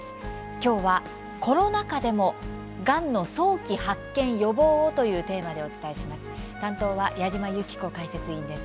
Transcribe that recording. きょうは「コロナ禍でもがんの早期・発見予防を！」というテーマでお伝えします。